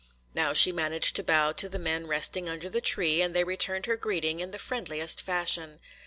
Now she managed to bow to the men resting under the tree and they returned her greeting in the friendliest fashion.